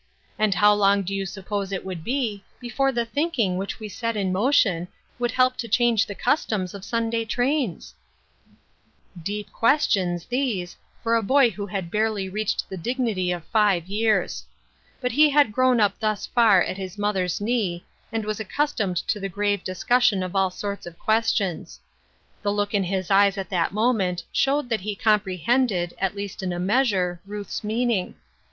And how long do you suppose it would be before the thinking which we set in motion would help to change the customs of Sunday trains ?" Deep questions, these, for a boy who had barely LOGIC AND INTERROGATION POINTS. 37 reached the dignity of five years. But he had grown up thus far at his mother's knee, and was accustomed to the grave discussion of all sorts of questions. The look in his eyes at that moment showed that he comprehended, at least in a meas ure, Ruth's meaning.